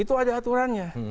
itu ada aturannya